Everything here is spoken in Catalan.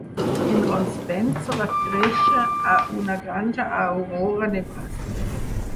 En Ron Spencer va créixer a una granja a Aurora, Nebraska.